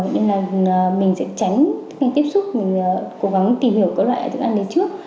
nên là mình sẽ tránh thức ăn tiếp xúc mình cố gắng tìm hiểu các loại thức ăn này trước